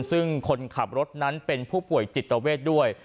ซึ่งคนขับรถนั้นเป็นผู้ป่วยจิตเวทด้วย